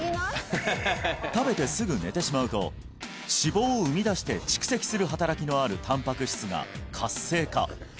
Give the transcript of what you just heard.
食べてすぐ寝てしまうと脂肪を生み出して蓄積する働きのあるたんぱく質が活性化